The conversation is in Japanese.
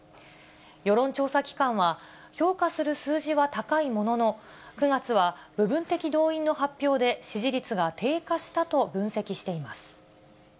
世論調査機関は、評価する数字は高いものの、９月は部分的動員の発表で支持率が低下したと分析しています。